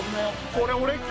これ俺か！？